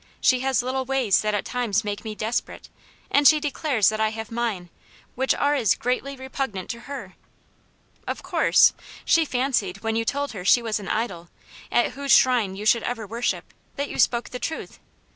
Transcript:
She has little ways that at times make me desperate ; and she declares that I have mine, which are as greatly repugnant to her." Of course ! She fancied, when you told her she was an idol, at whose shrine you should ever wor ' ship, that you spoke the truth.